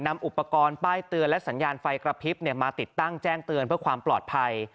นำอุปกรณ์ป้ายเตือนและสัญญาณไฟกระพริบมาติดตั้งแจ้งเตือนเพื่อความปลอดภัย